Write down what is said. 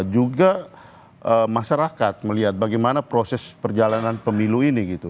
juga masyarakat melihat bagaimana proses perjalanan pemilu ini gitu